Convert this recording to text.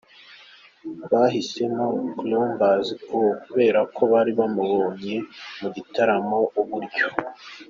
Bahisemo Columbus kubera ko bari banamubonye mu gitaramo uburyo